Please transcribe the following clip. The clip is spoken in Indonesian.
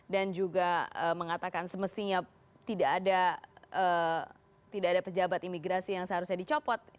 dan juga mengatakan semestinya tidak ada pejabat imigrasi yang seharusnya dicopot